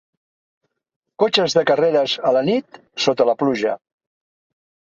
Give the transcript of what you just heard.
Cotxes de carreres a la nit sota la pluja.